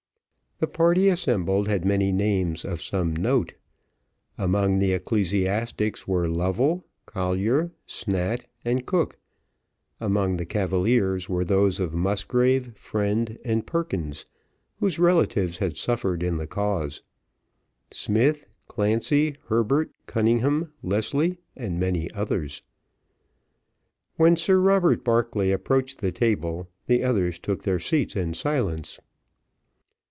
The party assembled had many names of some note. Among the ecclesiastics were Lovell, Collier, Snatt, and Cooke; among the cavaliers were those of Musgrave, Friend, and Perkins, whose relatives had suffered in the cause; Smith, Clancey, Herbert, Cunningham, Leslie, and many others. When Sir Robert Barclay approached the table, the others took their seats in silence.